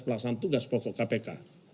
pelaksana tugas pokok kpk